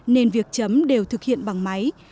nên việc chấm đều thực hiện bằng máy